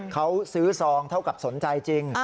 เขาซื้อซองเท่ากับสนใจจริง